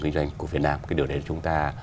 kinh doanh của việt nam cái điều đấy chúng ta